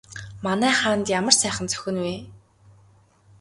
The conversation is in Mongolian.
Манай хаанд ямар сайхан зохино вэ?